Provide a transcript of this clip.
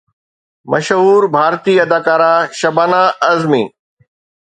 مشهور ڀارتي اداڪاره شبانه اعظمي